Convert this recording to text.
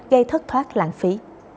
gây thất thoát kinh tế